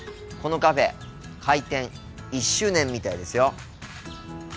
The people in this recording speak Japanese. このカフェ開店１周年みたいですよ。